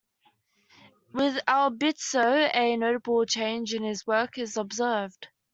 With "El Bautizo", a notable change in his work is observed.